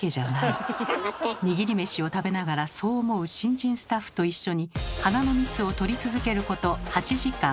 握り飯を食べながらそう思う新人スタッフと一緒に花の蜜を採り続けること８時間。